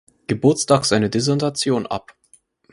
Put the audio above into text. Geburtstag seine Dissertation ab.